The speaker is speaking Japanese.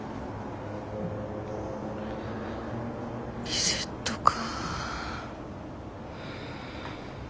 リセットか。